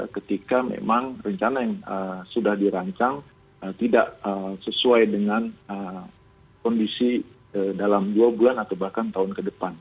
ketika memang rencana yang sudah dirancang tidak sesuai dengan kondisi dalam dua bulan atau bahkan tahun ke depan